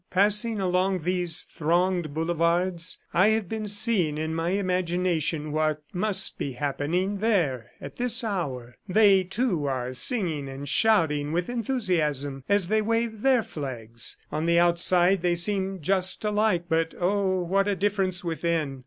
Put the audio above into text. Passing along these thronged boulevards, I have been seeing in my imagination what must be happening there at this hour. They, too, are singing and shouting with enthusiasm as they wave their flags. On the outside, they seem just alike but oh, what a difference within!